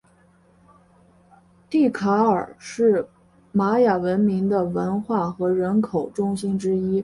蒂卡尔是玛雅文明的文化和人口中心之一。